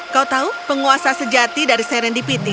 kau tahu penguasa sejati dari serendipity